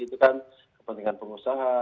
itu kan kepentingan pengusaha